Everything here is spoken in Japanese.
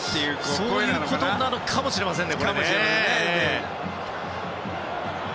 そういうことなのかもしれませんね。